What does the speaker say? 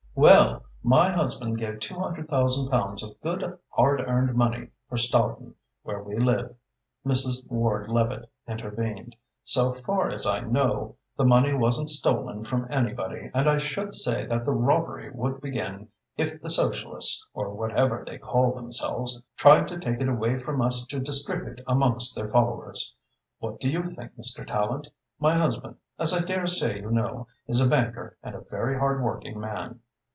"Well, my husband gave two hundred thousand pounds of good, hard earned money for Stoughton, where we live," Mrs. Ward Levitte intervened. "So far as I know, the money wasn't stolen from anybody, and I should say that the robbery would begin if the Socialists, or whatever they call themselves, tried to take it away from us to distribute amongst their followers. What do you think, Mr. Tallente? My husband, as I dare say you know, is a banker and a very hard working man."